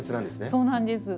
そうなんです。